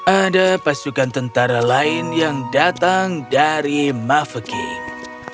ada pasukan tentara lain yang datang dari mafek